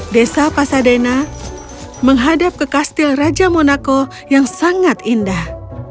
desa pasadena menghadap ke kastil raja monaco yang sangat indah